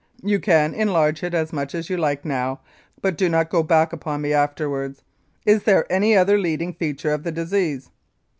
You can enlarge it as much as you like now, but do not go back upon me afterwards. Is there any other leading feature of the disease?